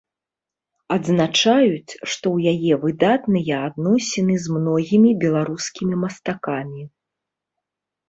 Адзначаюць, што ў яе выдатныя адносіны з многімі беларускімі мастакамі.